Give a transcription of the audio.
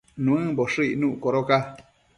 Nuëmboshë icnuc codoca